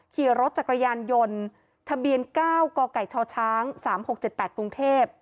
ขี่รถจักรยานยนต์ทะเบียน๙กกชช๓๖๗๘กรุงเทพ